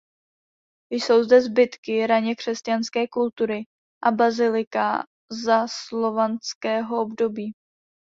Jsou zde zbytky raně křesťanské kultury a bazilika ze slovanského období.